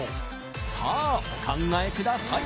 さあお考えください